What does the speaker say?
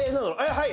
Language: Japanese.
はい。